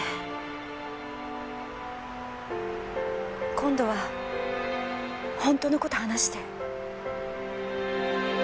今度は本当のことを話して。